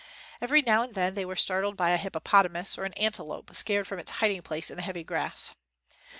Every now and then they were startled by a hippopotamus or an antelope scared from its hiding place in the heavy grass.